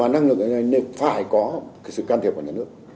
năng lực cạnh tranh mà năng lực này phải có sự can thiệp của nhà nước